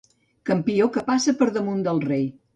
Campió que passa per damunt del rei.